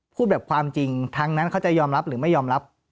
พูดแบบความจริงทั้งนั้นเขาจะยอมรับหรือไม่ยอมรับ